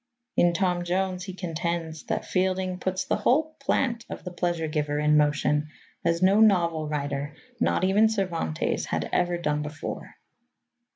In Tom Jones he contends that Fielding "puts the whole plant of the pleasure giver in motion, as no novel writer not even Cervantes had ever done before."